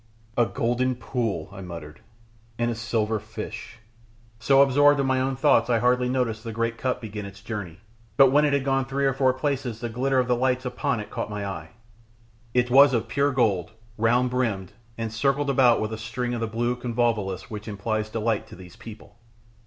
"A golden pool," I muttered, "and a silver fish" so absorbed in my own thoughts I hardly noticed the great cup begin its journey, but when it had gone three or four places the glitter of the lights upon it caught my eye. It was of pure gold, round brimmed, and circled about with a string of the blue convolvulus, which implies delight to these people.